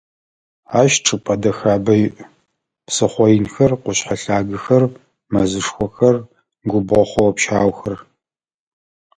Ащ чӀыпӀэ дэхабэ иӀ: псыхъо инхэр, къушъхьэ лъагэхэр, мэзышхохэр, губгъо хъоо-пщаухэр.